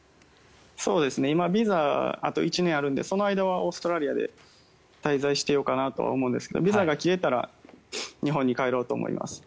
今、ビザがあと１年あるので、その間はオーストラリアで滞在してようかなと思うんですがビザが切れたら日本に帰ろうと思います。